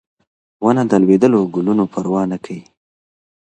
ونه د لوېدلو ګلونو پروا نه کوي.